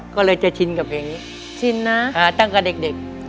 ก็เลยจะชินกับเพลงนี้ชินนะตั้งแต่เด็ก